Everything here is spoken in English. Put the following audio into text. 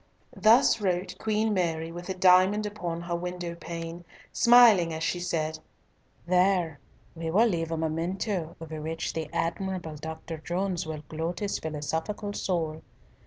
Thus wrote Queen Mary with a diamond upon her window pane, smiling as she said, "There, we will leave a memento over which the admirable Dr. Jones will gloat his philosophical soul.